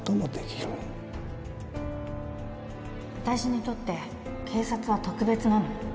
私にとって警察は特別なの。